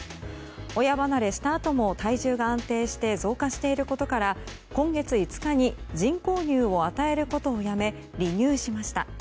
親離れしたあとも体重が安定して増加していることから今月５日に人工乳を与えることをやめ離乳しました。